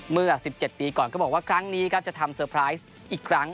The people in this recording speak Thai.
เมื่อ๑๗ปีก่อนก็บอกว่าครั้งนี้ครับจะทำเซอร์ไพรส์อีกครั้ง